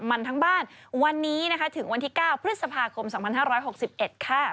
มันทั้งบ้านวันนี้นะคะถึงวันที่๙พฤษภาคม๒๕๖๑ค่ะ